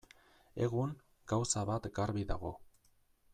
Egun, gauza bat garbi dago.